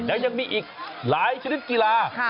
แล้วยังมีอีกหลายชนิดกีฬา